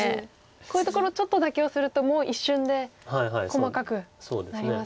こういうところちょっと妥協するともう一瞬で細かくなりますよね。